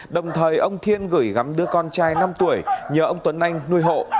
đồng thời ông thiên gửi gắm đưa con trai năm tuổi nhờ ông tuấn anh nuôi hộ